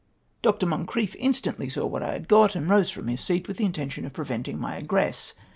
Dr. MoncriefF instantly saw what I had got, and rose fi'om his seat with the intention of preventing my eo ress.